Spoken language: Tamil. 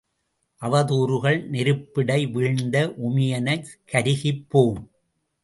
அவதூறுகள் நெருப்பிடை வீழ்ந்த உமியெனக் கருகிப்போம்.